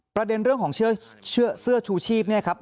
ประเด็นเรื่องของเสื้อชูชีพเนี่ยครับ